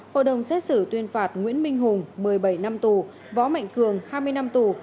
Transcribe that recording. hội đồng xét xử tuyên phạt nguyễn minh hùng một mươi bảy năm tù võ mạnh cường hai mươi năm tù